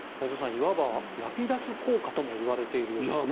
いわばラピダス効果とも言われているようですね。